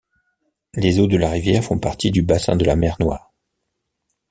Les eaux de la rivière font partie du bassin de la mer Noire.